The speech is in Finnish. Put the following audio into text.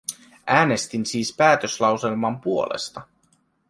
Äänestin siis päätöslauselman puolesta.